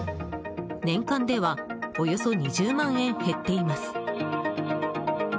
年間ではおよそ２０万円減っています。